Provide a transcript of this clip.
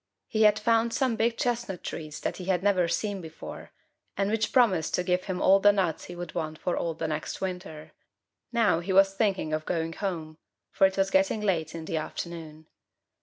He had found some big chestnut trees that he had never seen before, and which promised to give him all the nuts he would want for all the next winter. Now he was thinking of going home, for it was getting late in the afternoon.